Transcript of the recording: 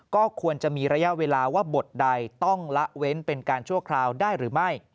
ก็ควรจะมีระยะเวลาว่าบทใดต้องละเว้นเป็นการชั่วคราวได้หรือไม่